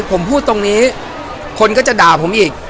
ผมพูดตรงนี้คนก็จะด่าผมอีก